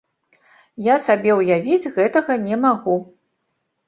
Я сабе ўявіць гэтага не магу.